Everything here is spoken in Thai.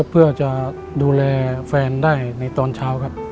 เพื่อจะดูแลแฟนได้ในตอนเช้าครับ